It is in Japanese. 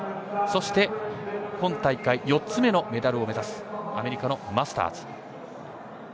そして、今大会４つ目のメダルを目指すアメリカのマスターズ。